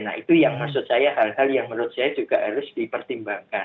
nah itu yang maksud saya hal hal yang menurut saya juga harus dipertimbangkan